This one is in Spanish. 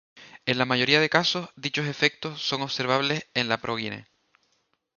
En la mayoría de los casos, dichos efectos son observables en la progenie.